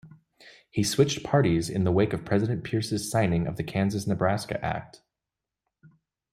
He switched parties in the wake of President Pierce's signing of the Kansas-Nebraska Act.